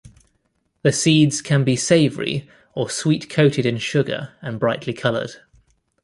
The seeds can be savory or sweet-coated in sugar and brightly colored.